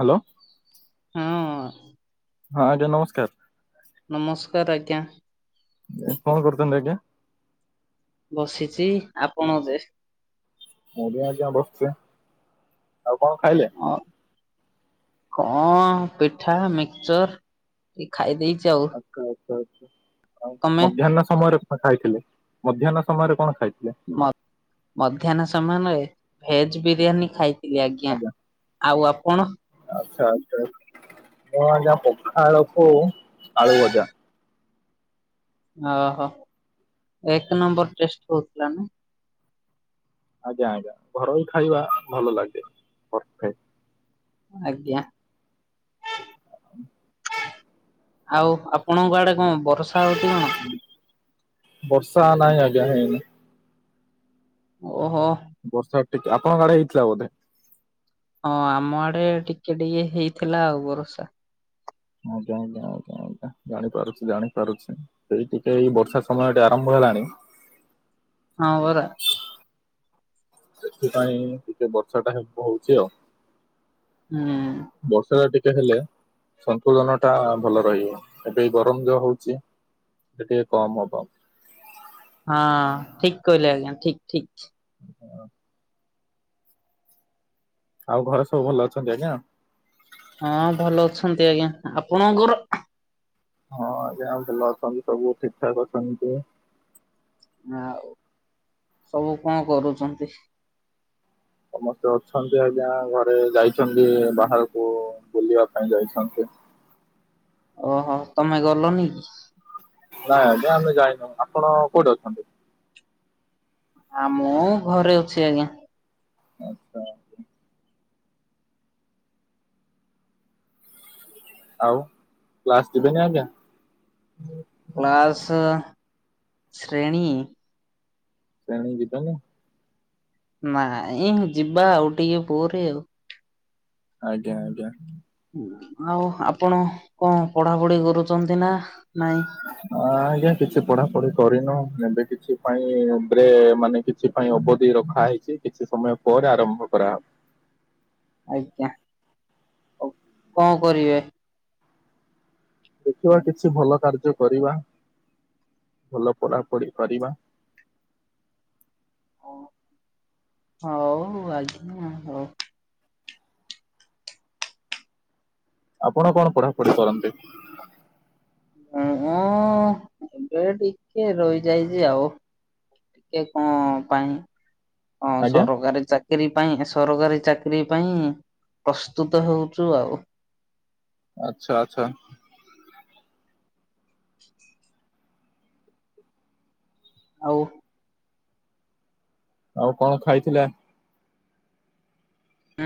Hello. ହଁ। ହଁ ଆଜ୍ଞା ନମସ୍କାର। କର ଆଜ୍ଞା। କଣ କରୁଚନ୍ତି ଏବେ? ବସିଛି ଆପଣ ଯେ ମୁବି ଆଜ୍ଞା ବସିଚି ଆଉ କଣ ଖାଇଲେ? ଅ କଣ ପିଠା ମିକସଚର ଟି ଖାଇ ଦେଇଛି ଆଉ ଆଚ୍ଛା ଆଚ୍ଛା ଆଛା ତମେ ମଧ୍ୟାନ ସମୟରେ ଖାଇଥିଲେ ମଧ୍ୟାହ୍ନ ସମୟରେ କଣ ଖାଇ ମ-ମଧ୍ୟାହ୍ନ ସମୟରେ ଭେଜ ବିରିୟାନୀ ଖାଇ ଆଜ୍ଞା ଆଉ ଆପଣ ଆଛା [unintelligible] ପଖାଳକୁ ଆଳୁ ଭଜା। ଓହୋ ଏକ ନମ୍ବର ଟେଷ୍ଟ ହଉଥିଲା ନା ଆଜ୍ଞା ଆଜ୍ଞା ଘରଇ ଖାଇବା ଭଲ ଲାଗେ ଘର ଖାଇ ଆଜ୍ଞା ଆଉ ଆପଣଙ୍କ ଆଡେ କଣ ବର୍ଷା ହଉଛି କଣ ବର୍ଷା ନାହିଁ ଆଜ୍ଞା ହେଇନି। ଓହୋ ବର୍ଷା ଟିକେ ଆପଣଙ୍କ ଗାଡେଇ ହେଇଥିଲା ବୋଧେ ହଁ ଆମ ଆଡେ ଟିକେ ଟିକେ ହେଇଥିଲା ଆଉ ବରସା ଆଜ୍ଞା ଆଜ୍ଞା ଆଜ୍ଞା ଜାଣିପାରୁଛି ଜାଣିପାରୁଛି ସେଇ ଟିକେ ଏଇ ବର୍ଷା ସମୟେ ଆରମ୍ଭ ହେଲାଣି ହଁ ବରା ଏଥିପାଇଁ ଟିକେ ବର୍ଷା ଟା ହଉଛି ଆଉ ହୁଁ ବର୍ଷା ଟା ହେଲେ ସନ୍ତୁଳନଟା ଭଲ ରହିବ ଏବେ ଗରମ ଯୋଉ ହଉଛି। ଟିକିଏ କମ୍ ହେବ। ହଁ ଠିକ୍ କହିଲେ ଆଜ୍ଞା ଠିକ୍ ଠିକ୍। ଆଉ ଘରେ ସବୁ ଭଲ ଅଛନ୍ତି ଆଜ୍ଞା? ହଁ ଭଲ ଅଛନ୍ତି ଆଜ୍ଞା ଆପଣଙ୍କର? ହଁ ଆଜ୍ଞା ଭଲ ଅଛନ୍ତି ସବୁ ଠିକ୍ ଠାକ୍ ଅଛନ୍ତି। ଆଉ ସବୁ କଣ କରୁଛନ୍ତି? ସମସ୍ତେ ଅଛନ୍ତି ଆଜ୍ଞା ଘରେ ଯାଇଛନ୍ତି ବାହାରକୁ ବୁଲିବା ପାଇଁ ଯାଇଛନ୍ତି? ଓହୋ ତମେ ଗଲନି? ନାଇଁ ଆଜ୍ଞା ଆମେ ଯାଇନୁ ଆପଣ କୋଉଠି ଅଛନ୍ତି? ଆ ମୁଁ ଘରେ ଅଛି ଆଜ୍ଞା। ଆଛା। ଆଉ କ୍ଲାସ ଯିବେନି ଆଜ୍ଞା? କ୍ଲାସ୍ ଶ୍ରେଣୀ? ଶ୍ରେଣୀ ଯିବେନି? ନାଇ ଯିବା ଆଉ ଟିକେ ପରେ ଆଉ। ଆଜ୍ଞା ଆଜ୍ଞା। ଆଉ ଆପଣ କଣ ପଢାପଢି କରୁଛନ୍ତି ନା? ନାଇଁ? ଆଁ ଆଜ୍ଞା କିଛି ପଢାପଢି କରିନୁ ଏବେ? କିଛି ପାଇଁ ମାନେ କିଛି ପାଇଁ ଅବଧି ରଖା ହେଇଛି କିଛି ସମୟ ପରେ ଆରମ୍ଭ କରାହବ। ଆଜ୍ଞା କଣ କରିବେ? ଦେଖିବା କିଛି ଭଲ କାର୍ଯ୍ୟ କରିବା। ଭଲ ପଢା ପଢି କରିବା। ହଉ ଆଜ୍ଞା ହଉ। ଆପଣ କଣ ପଢାପଢି କରନ୍ତି? ମୁଁ ଏବେ ଟିକେ ରହିଯାଇଛି ଆଉ। ଟିକେ କଣ ପାଇଁ ଆଜ୍ଞା ସରକାରୀ ଚାକିରି ପାଇଁ ସରକାରୀ ଚାକି ଚାକିରି ପାଇଁ ପ୍ରସ୍ତୁତ ହେଉଚୁ ଆଉ। ଆଚ୍ଛା ଆଛା। [inaudible] ଆଉ ଆଉ କଣ ଖାଇଥିଲା ଆ ଉ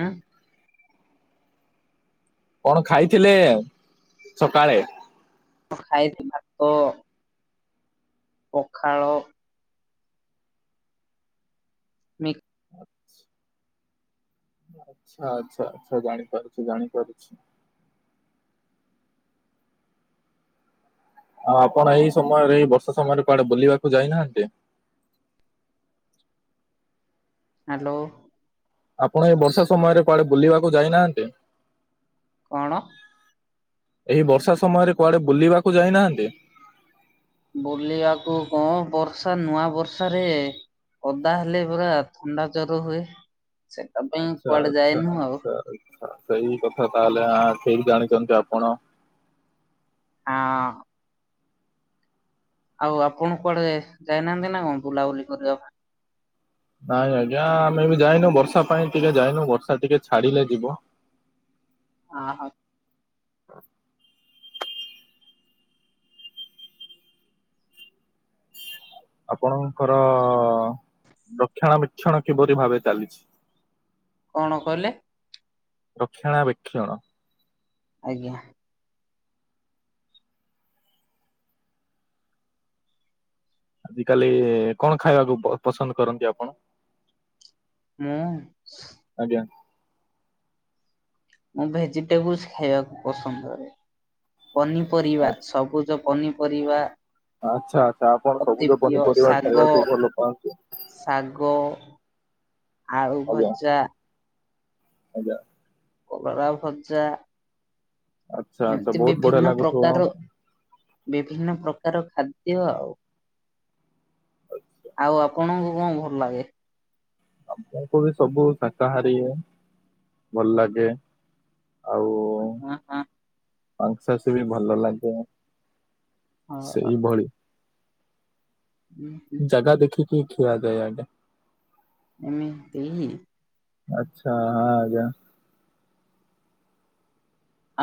କଣ ଖାଇଥିଲେ ସକାଳେ। ଖାଇଥିଲି ଭାତ। ପଖାଳ। ମି ଆଚ୍ଛ। ଆଚ୍ଛା ଆଛା ଆଚ୍ଛା ଜାଣି ପାରୁଛି ଜାଣିପାରୁଛି। ଆ ଆପଣ ଏଇ ସମୟରେ ଏଇ ବର୍ଷା ସମୟରେ କୁଆଡେ ବୁଲିବାକୁ ଯାଇନାହାନ୍ତି। [inaudible] ହ୍ୟାଲୋ। ଆପଣ ଏଇ ବର୍ଷା ସମୟରେ କଆଡେ ବୁଲିବାକୁ ଯାଇନାହାନ୍ତି। କଣ। ଏହି ବର୍ଷା ସମୟରେ କୁଆଡେ ବୁଲିବାକୁ ଯାଇନାହାନ୍ତି। ବୁଲିବାକୁ କଣ ବର୍ଷା ନୂଆ ବର୍ଷା ରେ ଓଦା ହେଲେ ପୁରା ଥଣ୍ଡା ଜର ହୁଏ ସେ ତା ପାଇଁ ଆଚ୍ଛା କୁଆଡ଼େ ଆଚ୍ଛା ଯାଇନୁ ଆଉ। ଆଚ୍ଛା ଆଚ୍ଛା ସେଇ କଥା ତାହେଲେ ଠିକ୍ ଜାଣିଛନ୍ତି ଆପଣ। ହଁ। ଆଉ ଆପଣ କୁଆଡେ ଯାଇନାହାନ୍ତି ନା କଣ ବୁଲାବୁଲି କରିବା ପାଇଁ। ନାଇଁ ଆଜ୍ଞା ଆମେ ବି ଯାଇନୁ ବର୍ଷା ପାଇଁ ଟିକେ ଯାଇନୁ ବର୍ଷା ଟିକେ ଛାଡ଼ିଲେ ଯିବୁ। [inaudible] ଆ ହଁ। [inaudible] ଆପଣଙ୍କର ରକ୍ଷଣା ଛଣ କିପରି ଭାବେ ଚାଲିଛି। କ‌‌ଣ କଲେ? ରକ୍ଷଣାବେକ୍ଷଣ। ଆଜ୍ଞା। ଆଜି କାଲି କଣ ଖାଇବାକୁ ପ ପସନ୍ଦ କରନ୍ତି ଆପଣ। ମୁଁ। ଆଜ୍ଞା। ମୁଁ ଭେଜିଟେବୁଲ ଖାଇବାକୁ ପସନ୍ଦ କରେ ପନିପରିବା ସବୁଜ ପ ପନିପରିବା। ଆଚ୍ଛା ଆଛା ଆପଣ ଅତି ସବୁଜ ପ୍ରିୟ ପନିପରିବା ଶାଗ ଖାଇବାକୁ ଭଲ ପାଆନ୍ତି। ଆଉ ଆଜ୍ଞା ଭଜା ଆଜ୍ଞା। କଲରା ଭଜଜା। ଆଚ୍ଛା ଆଚ୍ଛା ଏମିତି ବହୁତ ବଢିଆ ବିଭିନ୍ନ ଲାଗୁଥିବ ପ୍ରକାରର। ବିଭିନ୍ନ ପ୍ରକାର ଖାଦ୍ୟ ଆଉ। ଆଉ ଆପଣଙ୍କୁ କଣ ଭଲ ଲାଗେ? ଆମଙ୍କୁ ବି ସବୁ ସାକାହାରୀ ଭଲ ଲାଗେ। ଆଉ ଆଁ ଆଁ ମାଂସସୀ ବି ଭଲ ଲାଗେ। ହଁ ସେଇଭଳି। ଉଁ ଜାଗା ଦେଖିକିକ ଖିଆ ଯାଏ ଆଗେ। ଏମିତି ଆଚ୍ଛା ଆଜ୍ଞା।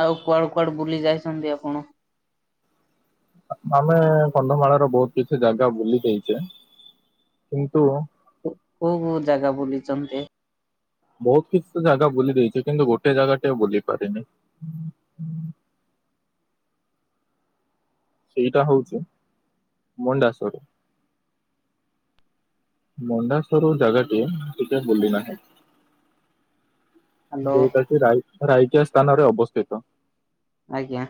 ଆଉ କୁଆଡୁ କୁଆଡୁ ବୁଲି ଯାଇଛନ୍ତି ଆପଣ। ଆମେ କନ୍ଧମାଳର ବହୁତ କିଛି ଜାଗା ବୁଲି ଦେଇଚେ କିନ୍ତୁ। କୋ କୋଉ କୋଉ ଜାଗା ବୁଲିଚନ୍ତି। ବହୁତ କିଛି ତ ଜାଗା ବୁଲି ଦେଇଚି କିନ୍ତୁ ଗୋଟେ ଜାଗା ଟେ ବୁଲି ପାରିନି। [inaudible] ସେଇଡା ହୋଉଛି ମଣ୍ଡାସରୁ। ମଣ୍ଡାସରୁ ଜାଗା ଟିଏ ଟିକେ ବୁଲିନାହିଁ। ହ୍ୟାଲୋ ଦେଉତାଛି ରାାଇ ରାୟକ ସ୍ଥାନରେ ଅବସ୍ଥିତ। ଆଜ୍ଞା।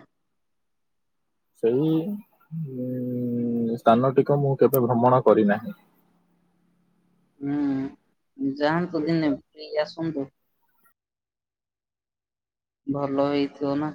ସେଇ ଉ ସ୍ଥାନଟିକୁ ମୁଁ କେବେ ଭ୍ରମଣ କରିନାହିଁ। ହୁଁ ଯାଆନ୍ତୁ ଦିନେ ବୁଲିକି ଆସନ୍ତୁ? ଭଲ ହେଇଥିବ ନା?